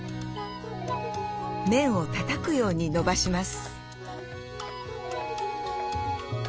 麺をたたくようにのばします。